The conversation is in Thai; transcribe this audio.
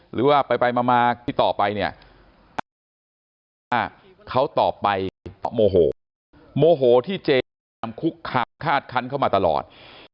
หรือว่าไปมาที่ต่อไปเนี่ยเขาต่อไปโมโหโมโหที่เจคุกคาดคันเข้ามาตลอด